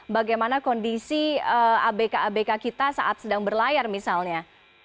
bagaimana kondisi abk abk kita saat sedang berlayar misalnya